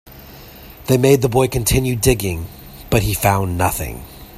They made the boy continue digging, but he found nothing.